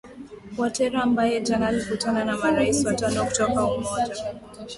watera ambaye jana alikutana na marais watano kutoka umoja